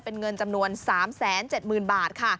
เป็นเงินจำนวน๓๗๐๐๐บาทค่ะ